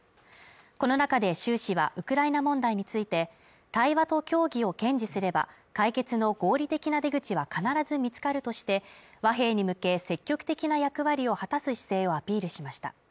この中で習氏はウクライナ問題について、対話と協議を堅持すれば、解決の合理的な出口は必ず見つかるとして和平に向け積極的な役割を果たす姿勢をアピールしました。